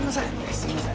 すいません！